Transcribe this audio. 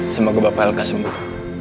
semoga bapak lk sembuh